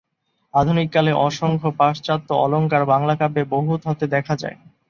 আধুনিককালে অসংখ্য পাশ্চাত্য অলঙ্কার বাংলা কাব্যে ব্যবহূত হতে দেখা যায়।